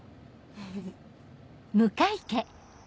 フフフ。